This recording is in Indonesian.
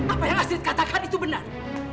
apa yang hasid katakan itu benar